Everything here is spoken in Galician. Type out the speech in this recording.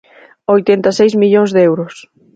Oitenta e seis millóns de euros.